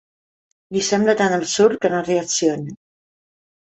Li sembla tan absurd que no reacciona.